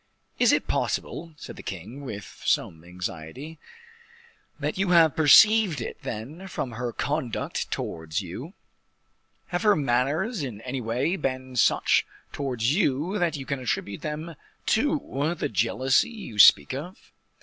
"Is it possible," said the king with some anxiety, "that you have perceived it, then, from her conduct towards you? Have her manners in any way been such towards you that you can attribute them to the jealousy you speak of?"